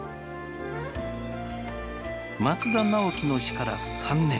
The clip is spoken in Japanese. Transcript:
松田直樹の死から３年。